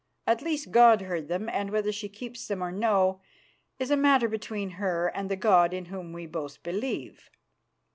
At least, God heard them, and whether she keeps them or no is a matter between her and the God in Whom we both believe.